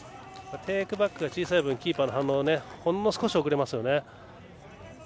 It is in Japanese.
テイクバックが小さい分キーパーの反応がほんの少し遅れますよね。